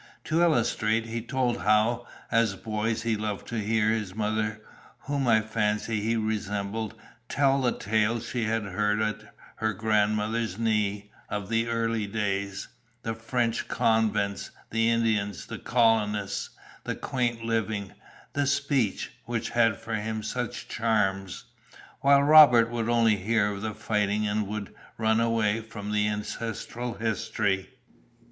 To illustrate, he told how, as boys, he loved to hear his mother, whom I fancy he resembled, tell the tales she had heard at her grandmother's knee, of the early days, the French convents, the Indians, the colonists, the quaint living, the speech, which had for him such charms, while Robert would only hear of the fighting and would run away from the ancestral history."